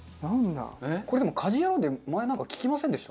これでも『家事ヤロウ！！！』で前なんか聞きませんでした？